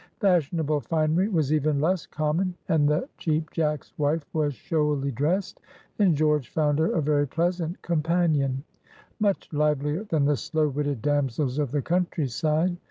Fashionable finery was even less common, and the Cheap Jack's wife was showily dressed. And George found her a very pleasant companion; much livelier than the slow witted damsels of the country side.